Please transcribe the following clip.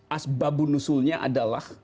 asbabu nusulnya adalah